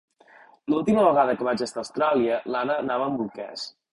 L'última vegada que vaig estar a Austràlia, l'Anna anava amb bolquers.